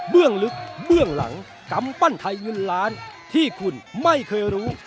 ลึกเบื้องหลังกำปั้นไทยเงินล้านที่คุณไม่เคยรู้